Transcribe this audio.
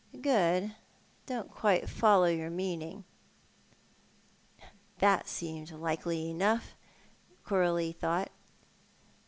" Good ? I don't quite follow your meaning." That seemed likely enough, Coralie thought.